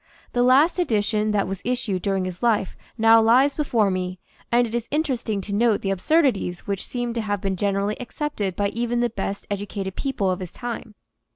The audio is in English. The last edition that was issued during his life now lies before me, and it is interesting to note the absurdities which seem to have been generally accepted by even the best educated people of his time.